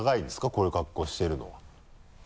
こういう格好してるのは。